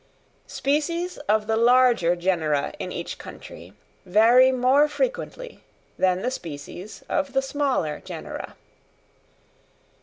_Species of the Larger Genera in each Country vary more Frequently than the Species of the Smaller Genera.